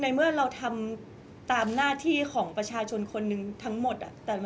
เมื่อเราทำตามหน้าที่ของประชาชนคนหนึ่งทั้งหมด